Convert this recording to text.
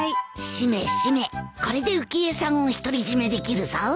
しめしめこれで浮江さんを独り占めできるぞ